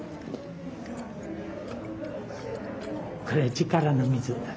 これちからの水。